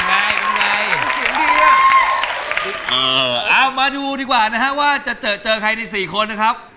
สวัสดีค่ะหนูชื่ออ้อมค่ะ